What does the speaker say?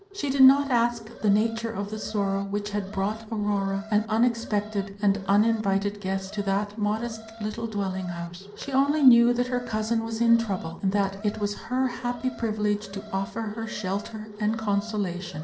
She did not ask the nature of the sorrow which had brought Aurora an unexpected and uninvited guest to that modest little dwelling house. She only knew that her cousin was in trouble, and, that it was her happy privilege to offer her shelter and consolation.